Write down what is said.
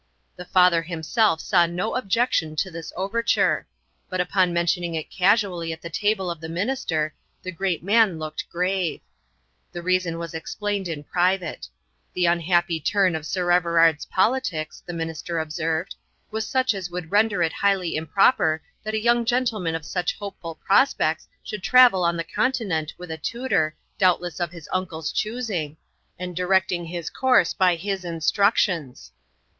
The father himself saw no objection to this overture; but upon mentioning it casually at the table of the minister, the great man looked grave. The reason was explained in private. The unhappy turn of Sir Everard's politics, the minister observed, was such as would render it highly improper that a young gentleman of such hopeful prospects should travel on the Continent with a tutor doubtless of his uncle's choosing, and directing his course by his instructions.